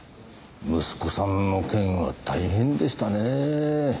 息子さんの件は大変でしたねぇ。